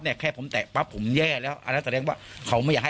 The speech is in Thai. เนี่ยแค่ผมแตะปั๊บผมเย่แล้วอันนั้นจะแสดงว่าเขาไม่อยาก